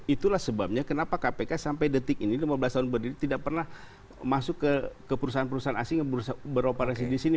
itulah sebabnya kenapa kpk sampai detik ini lima belas tahun berdiri tidak pernah masuk ke perusahaan perusahaan asing yang beroperasi di sini